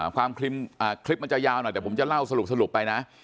คลิปมันจะยาวหน่อยแต่ผมจะเล่าสรุปไปนะ